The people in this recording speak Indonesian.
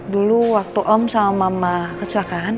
dulu waktu om sama mama kecelakaan